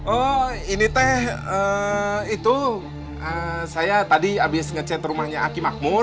oh ini teh itu saya tadi habis ngecet rumahnya aki makmur